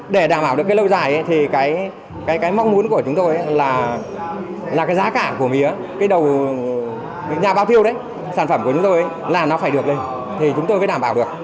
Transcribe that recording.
để đảm bảo được cái lâu dài thì cái mong muốn của chúng tôi là cái giá cả của mía cái đầu nhà bao tiêu đấy sản phẩm của chúng tôi là nó phải được lên thì chúng tôi mới đảm bảo được